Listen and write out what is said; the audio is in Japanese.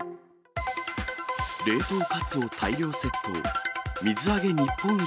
冷凍カツオ大量窃盗。